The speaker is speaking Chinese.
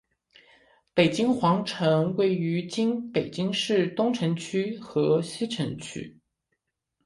北京皇城位于今北京市东城区和西城区。